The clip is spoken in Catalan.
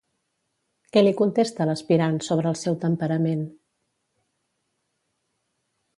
Què li contesta l'aspirant sobre el seu temperament?